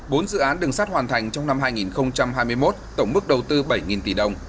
bốn dự án đường sắt hoàn thành trong năm hai nghìn hai mươi một tổng mức đầu tư bảy tỷ đồng